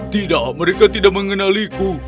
tidak mereka tidak mengenaliku